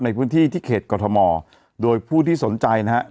ในพื้นที่ที่เขตกรทมโดยผู้ที่สนใจนะฮะ